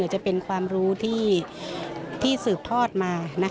จะเป็นความรู้ที่สืบทอดมา